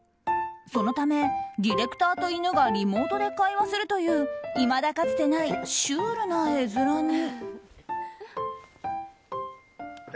そのためディレクターと犬がリモートで会話するといういまだかつてないシュールな絵面に。